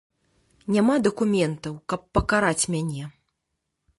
Няма дакументаў, каб пакараць мяне.